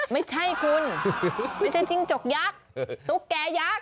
ไม่ใช่คุณไม่ใช่จิ้งจกยักษ์ตุ๊กแก่ยักษ์